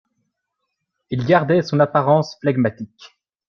Il gardait son apparence flegmatique.